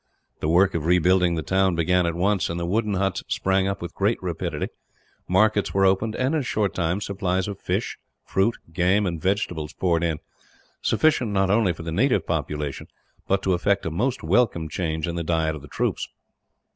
The work of rebuilding the town began at once, and the wooden huts sprang up with great rapidity; markets were opened and, in a short time, supplies of fish, fruit, game, and vegetables poured in; sufficient not only for the native population, but to effect a most welcome change in the diet of the troops.